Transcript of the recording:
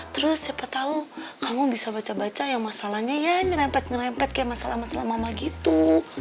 terus siapa tahu kamu bisa baca baca ya masalahnya ya nyerempet nyerempet kayak masalah masalah mama gitu